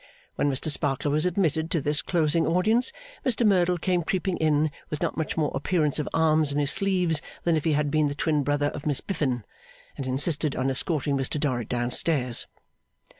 When Mr Sparkler was admitted to this closing audience, Mr Merdle came creeping in with not much more appearance of arms in his sleeves than if he had been the twin brother of Miss Biffin, and insisted on escorting Mr Dorrit down stairs.